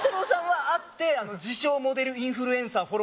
さんはあって自称モデルインフルエンサー